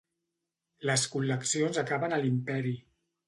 Les col·leccions acaben a l'Imperi.